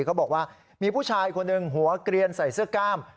เขาบอกว่ามีผู้ชายคนหนึ่งหัวเกลียนใส่เสื้อกล้าม